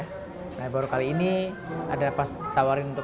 jika tidak mereka akan menjadi seseorang yang berkontor